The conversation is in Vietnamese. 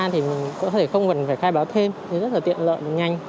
thì mình có thể không cần phải khai báo thêm thì rất là tiện lợi và nhanh